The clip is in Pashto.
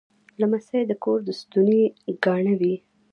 لمسی د کور د ستوني ګاڼه وي.